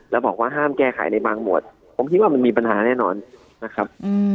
แล้วบอกว่าห้ามแก้ไขในบางหมวดผมคิดว่ามันมีปัญหาแน่นอนนะครับ